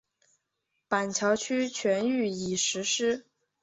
板桥区全域已实施。